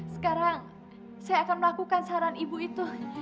sekarang saya akan melakukan saran ibu itu